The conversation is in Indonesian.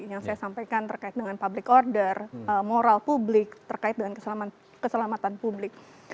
yang saya sampaikan terkait dengan public order moral publik terkait dengan keselamatan publik